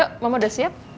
yuk mama udah siap